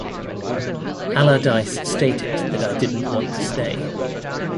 Allardyce stated that I didn't want to stay.